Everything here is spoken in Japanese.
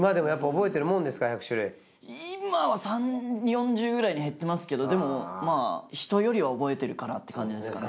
今は３４０くらいに減ってますけどでもまあ人よりは覚えてるかなって感じですかね。